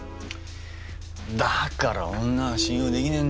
だから女は信用できねえんだよ。